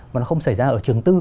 mà nó không xảy ra ở trường tư